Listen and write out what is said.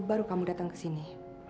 baru kamu datang kesini